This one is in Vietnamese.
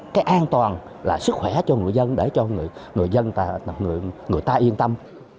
cái an toàn là sức khỏe cho người dân để cho người ta yên tâm